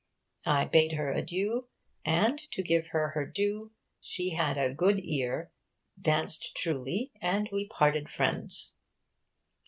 I bade her adieu; and, to give her her due, she had a good eare, daunst truly, and wee parted friends.'